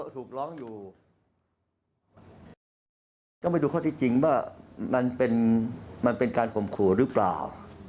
ต้องไปดูข้อที่จริงว่ามันเป็นการกลมกรูหรือเปล่า